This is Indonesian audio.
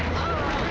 jangan won jangan